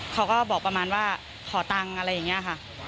เขาก็บอกประมาณว่าขอตังค์อะไรอย่างนี้ค่ะ